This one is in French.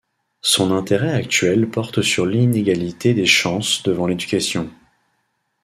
Son intérêt actuel porte sur l'inégalité des chances devant l'éducation.